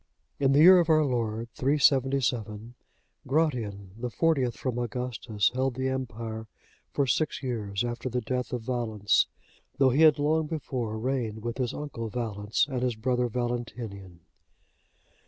In the year of our Lord 377,(61) Gratian, the fortieth from Augustus, held the empire for six years after the death of Valens; though he had long before reigned with his uncle Valens, and his brother Valentinian.